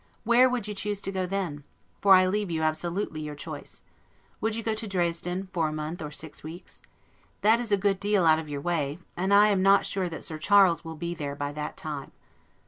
Where would you choose to go then? For I leave you absolutely your choice. Would you go to Dresden for a month or six weeks? That is a good deal out of your way, and I am not sure that Sir Charles will be there by that time.